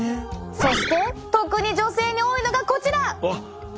そして特に女性に多いのがこちら！